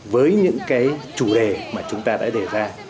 với những cái chủ đề mà chúng ta đã đề ra